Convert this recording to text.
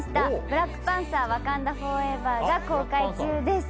「ブラックパンサーワカンダ・フォーエバー」が公開中です